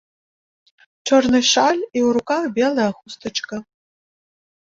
Чорны шаль, і ў руках белая хустачка.